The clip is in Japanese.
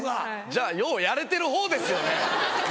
じゃあようやれてるほうですよね。